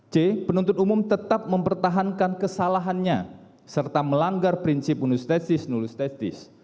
c penuntut umum tetap mempertahankan kesalahannya serta melanggar prinsip unistesis nulistetis